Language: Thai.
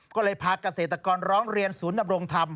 ก็เลยพาเกษตรกรร้องเรียนศูนย์ดำรงธรรม